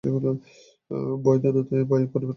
বৈদ্যনাথে বায়ু পরিবর্তনে কোন ফল হয়নি।